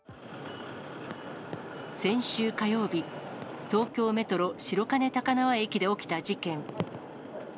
先週火曜日、東京メトロ白金高輪駅で起きた事件。